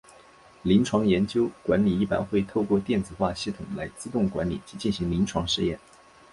临床研究管理一般会透过电子化系统来自动管理及进行临床试验。